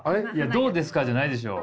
「どうですか？」じゃないでしょう。